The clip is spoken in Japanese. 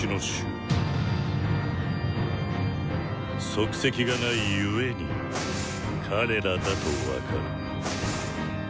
「『足跡がない』故に『彼ら』だと分かる」。